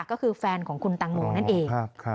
ก็คือแฟนของคุณตังโมนั่นเอง